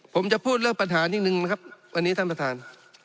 ผมจะพูดเรื่องปัญหานิดนึงนะครับวันนี้ท่านประธาน